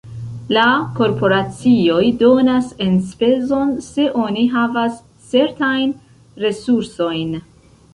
La korporacioj donas enspezon, se oni havas certajn resursojn.